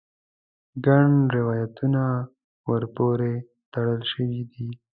ګڼ روایتونه ور پورې تړل شوي دي.